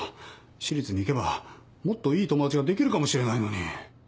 私立に行けばもっといい友達ができるかもしれないのに。